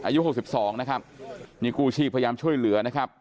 อายุ๖๒นะครับนี่กู้ชีพพยายามช่วยเหลือนะครับ